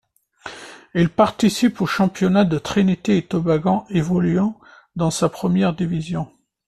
Il participe au championnat de Trinité-et-Tobago évoluant dans sa première division.